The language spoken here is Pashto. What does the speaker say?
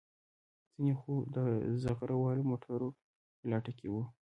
ځینې خو د زغره والو موټرو په لټه کې وو.